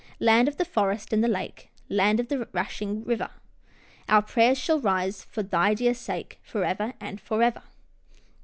"Land of the forest and the lake, Land of the rushing river. Our prayers shall rise for thy dear sake, Forever and forever."